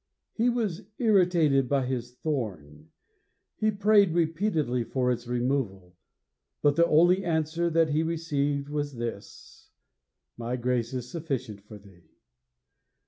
He was irritated by his thorn; he prayed repeatedly for its removal; but the only answer that he received was this: _My grace is sufficient for thee!